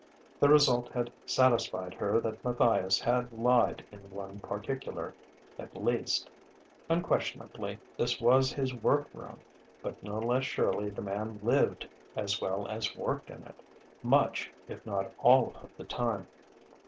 The result had satisfied her that Matthias had lied in one particular, at least: unquestionably this was his work room, but no less surely the man lived as well as worked in it, much if not all of the time.